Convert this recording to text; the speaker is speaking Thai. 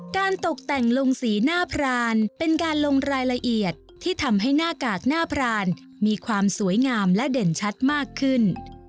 ตกแต่งลงสีหน้าพรานเป็นการลงรายละเอียดที่ทำให้หน้ากากหน้าพรานมีความสวยงามและเด่นชัดมากขึ้น